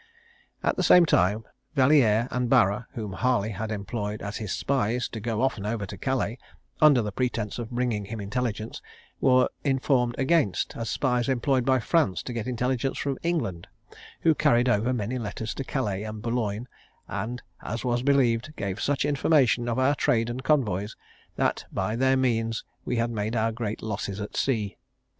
"At the same time Valiere and Bara, whom Harley had employed as his spies to go often over to Calais, under the pretence of bringing him intelligence, were informed against, as spies employed by France to get intelligence from England, who carried over many letters to Calais and Boulogne, and, as was believed, gave such information of our trade and convoys, that by their means we had made our great losses at sea.